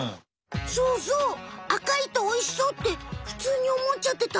そうそう赤いとおいしそうってふつうにおもっちゃってた。